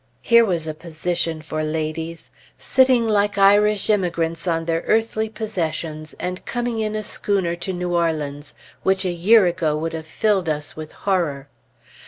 Here was a position for ladies! Sitting like Irish emigrants on their earthly possessions, and coming in a schooner to New Orleans, which a year ago would have filled us with horror.